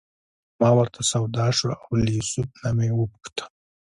زما ورته سودا شوه او له یوسف نه مې وپوښتل.